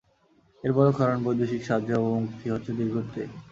এর বড় কারণ, বৈদেশিক সাহায্যের অবমুক্তি হচ্ছে ধীরগতিতে।